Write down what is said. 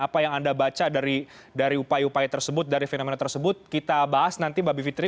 apa yang anda baca dari upaya upaya tersebut dari fenomena tersebut kita bahas nanti mbak bivitri